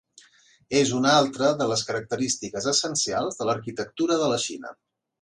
És una altra de les característiques essencials de l'arquitectura de la Xina.